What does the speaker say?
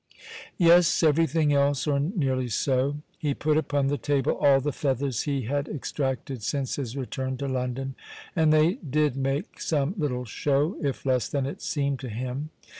Yes, everything else, or nearly so. He put upon the table all the feathers he had extracted since his return to London, and they did make some little show, if less than it seemed to him.